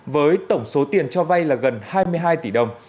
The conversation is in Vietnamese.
với tổng số tiền cho vay là gần hai mươi hai tỷ đồng